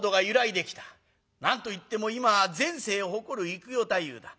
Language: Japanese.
何と言っても今全盛を誇る幾代太夫だ。